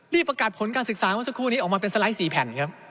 ประกาศผลการศึกษาเมื่อสักครู่นี้ออกมาเป็นสไลด์๔แผ่นครับ